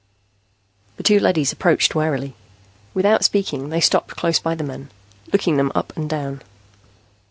The two leadys approached warily. Without speaking, they stopped close by the men, looking them up and down.